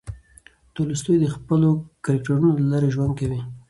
تولستوی د خپلو کرکټرونو له لارې ژوند کوي.